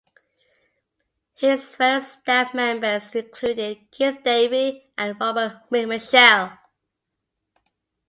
His fellow staff members included Keith Davey and Robert McMichael.